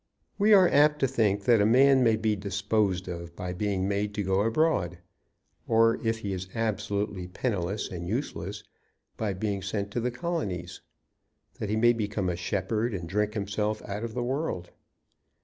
We are apt to think that a man may be disposed of by being made to go abroad; or, if he is absolutely penniless and useless, by being sent to the colonies, that he may become a shepherd and drink himself out of the world.